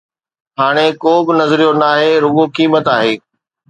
هاڻي ڪو به نظريو ناهي، رڳو قيمت آهي.